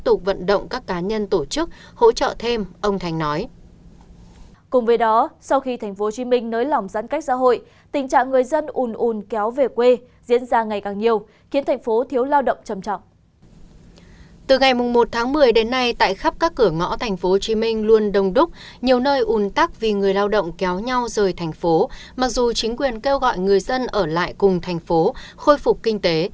từ ngày một một mươi đến nay tại khắp các cửa ngõ tp hcm luôn đông đúc nhiều nơi ùn tắc vì người lao động kéo nhau rời tp hcm mặc dù chính quyền kêu gọi người dân ở lại cùng tp hcm khôi phục kinh tế